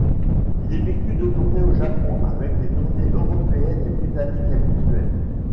Ils effectuent deux tournées au Japon avec les tournées européennes et britanniques habituelles.